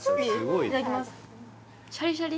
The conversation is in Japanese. いただきます